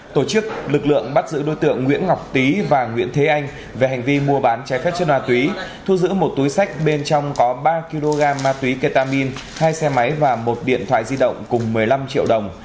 tổ chức lực lượng bắt giữ đối tượng nguyễn ngọc tý và nguyễn thế anh về hành vi mua bán trái phép chất ma túy thu giữ một túi sách bên trong có ba kg ma túy ketamin hai xe máy và một điện thoại di động cùng một mươi năm triệu đồng